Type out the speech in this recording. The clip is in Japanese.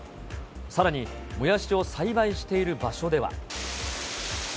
さらに、もやしを栽培している場所では。